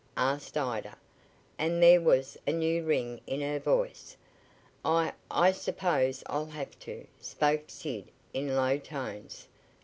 asked Ida, and there was a new ring in her voice. "I I suppose I'll have to," spoke Sid in low tones.